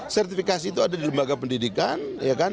sertifikasi itu ada di lembaga pendidikan